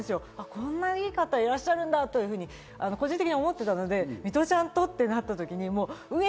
こんないい方いらっしゃるんだというふうに個人的に思っていたので、ミトちゃんととなった時に、うぇ！？